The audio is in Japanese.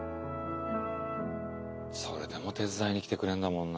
それでも手伝いに来てくれんだもんな。